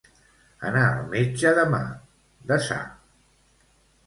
Anar al metge demà, desar.